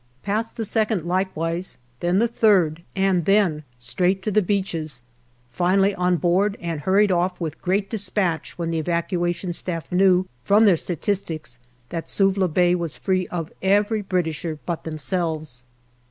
Past the second likewise, then the third, and then straight to the beaches ; finally on board, and hurried off with great dispatch when the Evacuation Staff knew from their statistics that Suvla Bay was free of every Britisher but themselves.